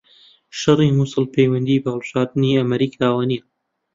شەڕی موسڵ پەیوەندی بە هەڵبژاردنی ئەمریکاوە نییە